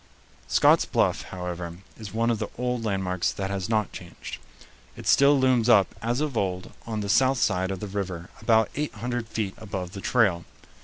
Scott's Bluff, however, is one of the old landmarks that has not changed. It still looms up as of old on the south side of the river about eight hundred feet above the trail.